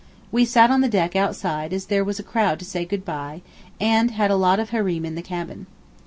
We sat on the deck outside as there was a crowd to say good bye and had a lot of Hareem in the cabin.